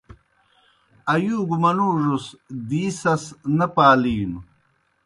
آیُوگوْ منُوڙوْس دی سَس نہ پالِینوْ۔